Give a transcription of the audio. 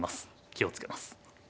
気を付けます。